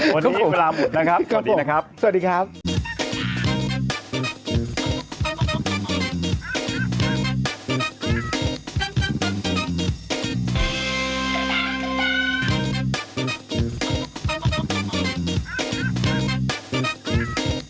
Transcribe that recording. วันนี้หมดเวลาหมดนะครับสวัสดีนะครับสวัสดีครับ